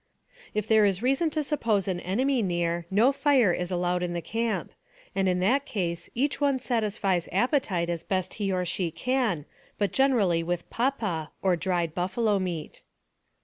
If there is reason to suppose an enemy near, no fire is allowed in the camp ; and in that case each one satis fies appetite as best he or she can, but generally with "pa pa," or dried buffalo meat.